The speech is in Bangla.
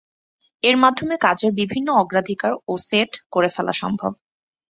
এর মাধ্যমে কাজের বিভিন্ন অগ্রাধিকার ও সেট করে ফেলা সম্ভব।